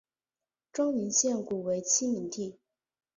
周宁县古为七闽地。